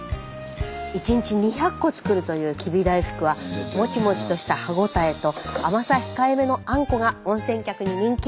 １日２００個作るというきび大福はもちもちとした歯応えと甘さ控えめのあんこが温泉客に人気。